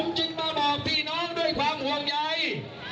จึงมาบอกพี่น้องด้วยความห่วงใย